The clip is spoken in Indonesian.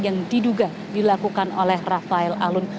yang diduga dilakukan oleh rafael alun